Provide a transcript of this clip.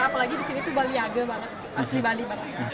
apalagi disini tuh baliaga banget asli bali banget